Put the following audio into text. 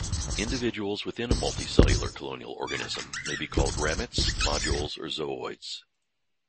Individuals within a multicellular colonial organism may be called ramets, modules, or zooids.